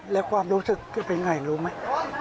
และความรู้สึกก็เป็นไงรู้มั้ย